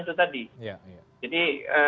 itu tadi jadi